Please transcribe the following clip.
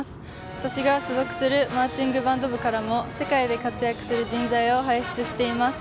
私が所属するマーチングバンド部からも世界で活躍する人材を輩出しています。